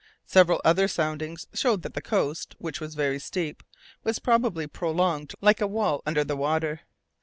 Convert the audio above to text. Several other soundings showed that the coast, which was very steep, was probably prolonged like a wall under the water.